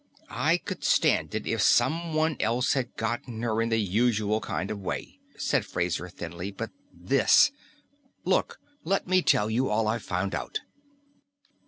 "I could stand it if someone else had gotten her in the usual kind of way," said Fraser thinly. "But this Look, let me tell you all I've found out."